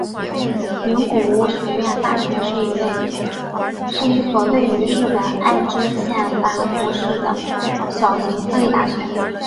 名古屋学院大学是一所位于日本爱知县濑户市的小型私立大学。